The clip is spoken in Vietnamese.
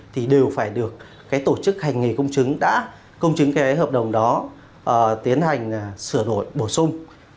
thì đều phải được tổ chức hành nghề cung chứng đã công chứng hợp đồng đó tiến hành sửa đổi bổ sung